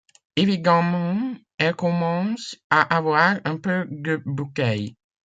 Évidemment elle commence à avoir un peu de bouteille.